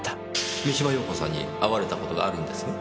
三島陽子さんに会われた事があるんですね？